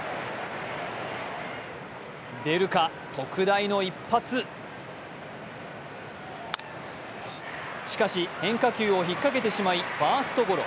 出るか、特大の一発しかし、変化球を引っかけてしまいファーストゴロ。